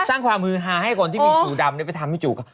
สร้างความฮือหาให้คนที่จูดำขยับไปทำเหมือนจู